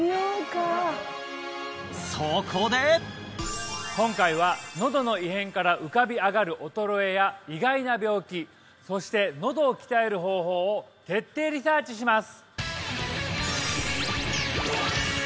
そこで今回はのどの異変から浮かび上がる衰えや意外な病気そしてのどを鍛える方法を徹底リサーチします！